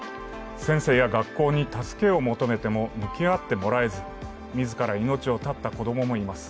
先生や学校に助けを求めても向き合ってもらえず自ら命を絶った子供もいます。